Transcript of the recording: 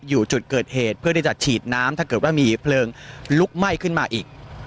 อยู่จุดเกิดเหตุเพื่อที่จะฉีดน้ำถ้าเกิดว่ามีเพลิงลุกไหม้ขึ้นมาอีก